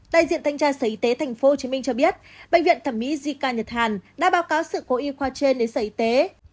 đại diện thanh tra sở y tế tp hcm cho biết bệnh viện thẩm mỹ jica nhật hàn đã báo cáo sự cố y khoa trên đến sở y tế